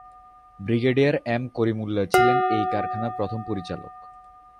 Brigadier M Karim Ullah ছিলেন এই কারখানার প্রথম পরিচালক।।